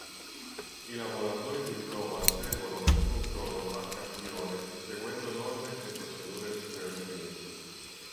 I laboratori di prova eseguono un controllo a campione seguendo norme e procedure predefinite.